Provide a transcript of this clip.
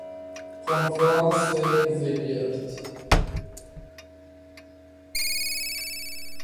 کنفرانس میز گرد